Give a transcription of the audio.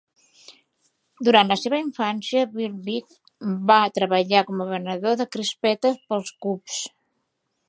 Durant la seva infància, Bill Veeck va treballar com a venedor de crispetes pels Cubs.